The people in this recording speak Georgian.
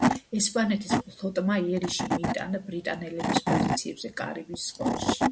ესპანეთის ფლოტმა იერიში მიიტანა ბრიტანელების პოზიციებზე კარიბის ზღვაში.